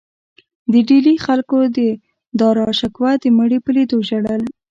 د ډیلي خلکو د داراشکوه د مړي په لیدو ژړل.